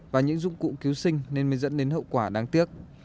và những dụng cụ cứu sinh nên mới dẫn đến hậu quả đáng tiếc